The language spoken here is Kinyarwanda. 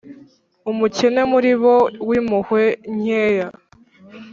umukene muri bo w’impuhwe nkeya